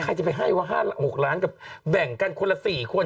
ใครจะไปให้ว่า๕๖ล้านกับแบ่งกันคนละ๔คน